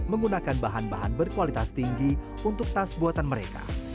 menggunakan bahan bahan berkualitas tinggi untuk tas buatan mereka